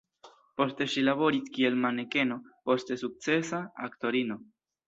Poste ŝi laboris kiel manekeno, poste sukcesa aktorino.